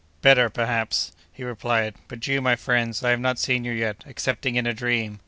"Better, perhaps," he replied. "But you, my friends, I have not seen you yet, excepting in a dream!